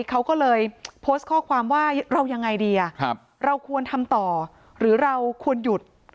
เขาก็เลยโพสต์ข้อความว่าเรายังไงดีเราควรทำต่อหรือเราควรหยุด